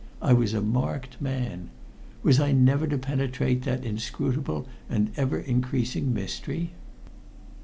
I was a marked man. Was I never to penetrate that inscrutable and ever increasing mystery?